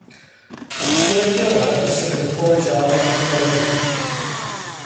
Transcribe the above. Ze středověkého hradu se nedochovaly žádné viditelné zbytky.